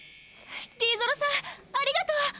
リーゾロさんありがとう！